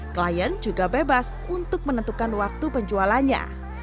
klien juga bebas untuk menentukan waktu penjualannya